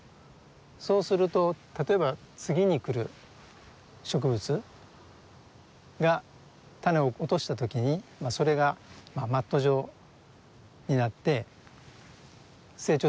そうすると例えば次に来る植物が種を落とした時にそれがマット状になって成長するわけですね。